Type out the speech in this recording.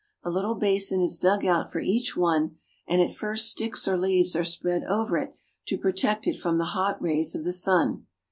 A little basin is dug out for each one, and at first sticks or leaves are spread over it to protect it from the hot rays of the sun.